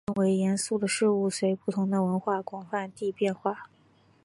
被认为严肃的事物随不同的文化广泛地变化。